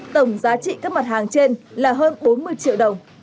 tổng giá trị các mặt hàng trên là hơn bốn mươi triệu đồng